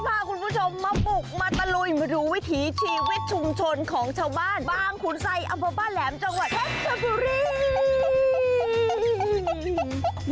ต้าไม่ได้ไปชนภัยอยู่แล้ว